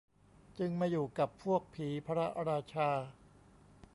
จึงมาอยู่กับพวกผีพระราชา